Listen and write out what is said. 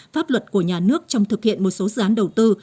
pháp luật của nhà nước trong thực hiện một số dự án đầu tư